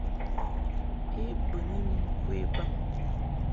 I bɨni mɨ ŋkwe baŋ.